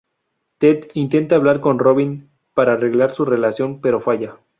Ted intenta hablar con Robin para arreglar su relación, pero falla.